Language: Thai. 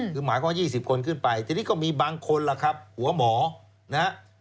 คือหมายความว่า๒๐คนขึ้นไปทีนี้ก็มีบางคนล่ะครับหัวหมอนะฮะ